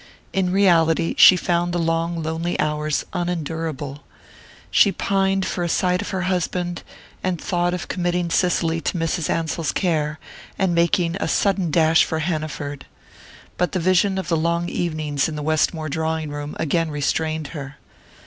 In reality, she found the long lonely hours unendurable. She pined for a sight of her husband, and thought of committing Cicely to Mrs. Ansell's care, and making a sudden dash for Hanaford. But the vision of the long evenings in the Westmore drawing room again restrained her.